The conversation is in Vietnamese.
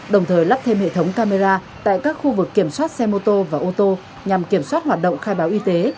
đồng thời lắp thêm hệ thống camera tại các khu vực kiểm soát xe mô tô và ô tô nhằm kiểm soát hoạt động khai báo y tế